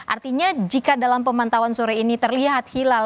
artinya jika dalam pemantauan sore ini terlihat hilal